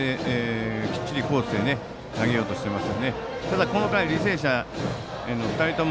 きっちりコースへ投げようとしています。